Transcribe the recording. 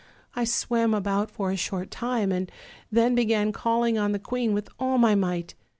I swam about for a short time, and then began calling on the queen with all my might.